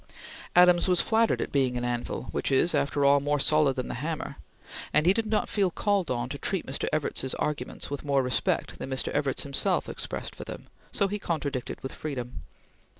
Adams was flattered at being an anvil, which is, after all, more solid than the hammer; and he did not feel called on to treat Mr. Evarts's arguments with more respect than Mr. Evarts himself expressed for them; so he contradicted with freedom.